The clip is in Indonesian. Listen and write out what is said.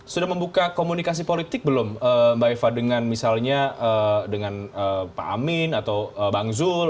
sudah membuka komunikasi politik belum mbak eva dengan misalnya dengan pak amin atau bang zul